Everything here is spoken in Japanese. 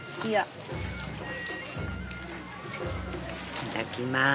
いただきまーす。